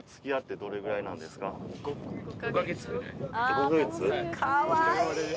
５か月？